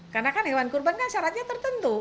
karena kan hewan kurban syaratnya tertentu